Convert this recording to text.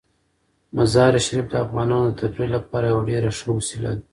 مزارشریف د افغانانو د تفریح لپاره یوه ډیره ښه وسیله ده.